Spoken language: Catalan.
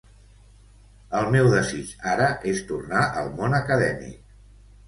El meu desig ara és tornar al món acadèmic.